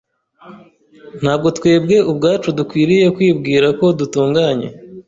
Ntabwo twebe ubwacu dukwiriye kwibwira ko dutunganye